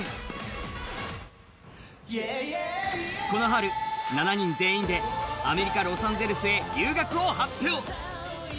この春、７人全員でアメリカ・ロサンゼルスへ留学を発表。